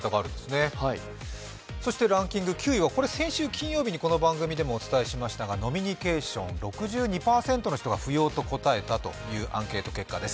９位は先週金曜日にこの番組でもお伝えしましたが、飲みニケーション、６２％の人が不要と答えたというアンケート結果です。